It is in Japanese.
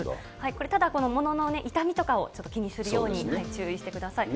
これ、ただ、ものの傷みとかをちょっと気にするように注意してください。